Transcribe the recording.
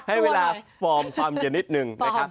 ให้เวลาฟอร์มความเย็นนิดนึง